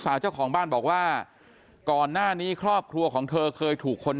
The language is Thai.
สาวเจ้าของบ้านบอกว่าก่อนหน้านี้ครอบครัวของเธอเคยถูกคน